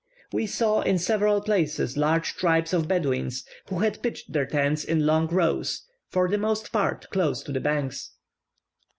We saw in several places large tribes of Bedouins, who had pitched their tents in long rows, for the most part close to the banks.